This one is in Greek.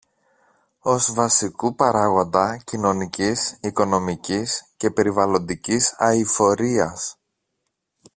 ως βασικού παράγοντα κοινωνικής, οικονομικής και περιβαλλοντικής αειφορίας.